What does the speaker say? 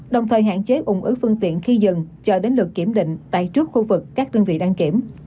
đồng thời hạn chế ủng ứ phương tiện khi dừng chờ đến lượt kiểm định tại trước khu vực các đơn vị đăng kiểm